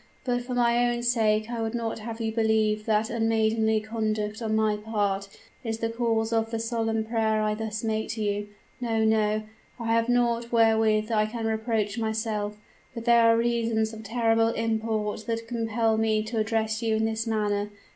But for my own sake I would not have you believe that unmaidenly conduct on my part is the cause of the solemn prayer I thus make to you. No, no; I have naught wherewith I can reproach myself; but there are reasons of terrible import that compel me to address you in this manner.